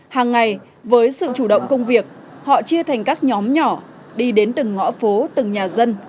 hàng ngày với sự chủ động công việc họ chia thành các nhóm nhỏ đi đến từng ngõ phố từng nhà dân